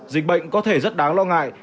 dịch bệnh có thể rất đáng lo ngại